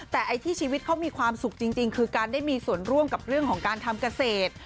แต่ไอ้ที่ชีวิตเขามีความสุขจริงคือการได้มีส่วนร่วมกับเรื่องของการทำเกษตร